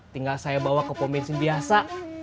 tinggal saya bawa ke pomensin biasa